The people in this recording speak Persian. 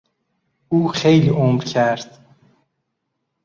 او خیلی عمر کرد.